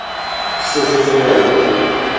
特征可以通过多种方法进行选择。